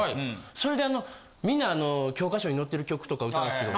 それであのみんな教科書にのってる曲とか歌うんですけど。